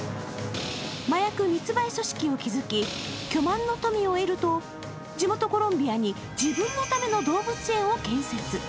麻薬密売組織を築き、巨万の富を得ると地元コロンビアに自分のための動物園を建設。